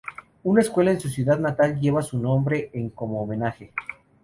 Una escuela en su ciudad natal lleva su nombre en como homenaje.